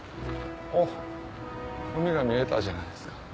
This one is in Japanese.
おっ海が見えたじゃないですか。